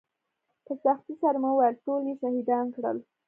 په سختۍ سره مې وويل ټول يې شهيدان کړل.